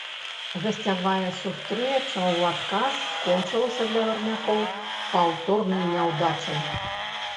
Гасцявая сустрэча ў адказ скончылася для гарнякоў паўторнай няўдачай.